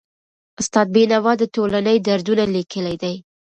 استاد بینوا د ټولني دردونه لیکلي دي.